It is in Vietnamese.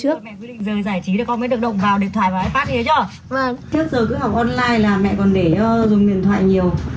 trước giờ cứ học online là mẹ còn để dùng điện thoại nhiều